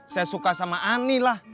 saya suka sama ani lah